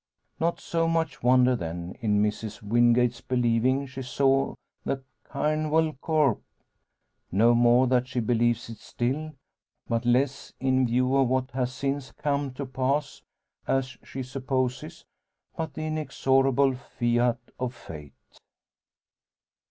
Not so much wonder, then, in Mrs Wingate believing she saw the canwyll corph. No more that she believes it still, but less, in view of what has since come to pass; as she supposes, but the inexorable fiat of fate.